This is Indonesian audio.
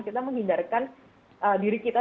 kita menghindarkan diri kita